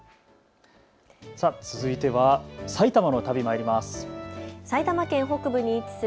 続いては埼玉の旅にまいります。